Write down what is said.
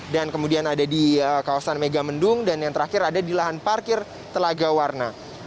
kemudian ada di kawasan megamendung dan yang terakhir ada di lahan parkir telaga warna